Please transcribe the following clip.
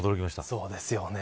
そうですよね。